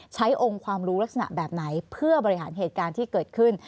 ใช้องค์ความรู้ลักษณะแบบไหนเพื่อบริหารเหตุการณ์ที่เกิดขึ้น